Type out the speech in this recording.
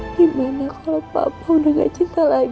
gimana kalau papa udah gak cinta lagi sama aku